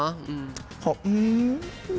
มีแถบแล้วนะ